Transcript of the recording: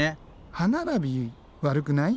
歯並び悪くない？